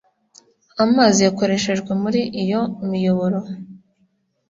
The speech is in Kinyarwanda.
amazi yakoreshejwe muri iyo miyoboro